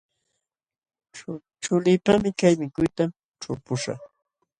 Chuliipaqmi kay mikuyta ćhulpuśhaq.